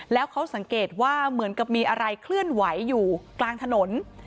แล้วเขาสังเกตว่าเหมือนกับมีอะไรเคลื่อนไหวอยู่กลางถนน